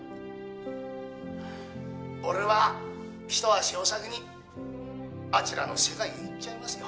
「俺はひと足お先にあちらの世界へいっちゃいますよ」